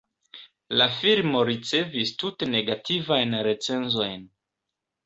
La filmo ricevis tute negativajn recenzojn.